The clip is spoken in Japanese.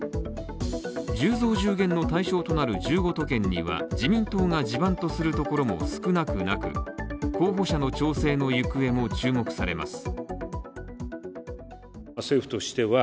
１０増１０減の対象となる１５都県には自民党が地盤とするところも少なくなく、候補者の調整の行方も注目されます。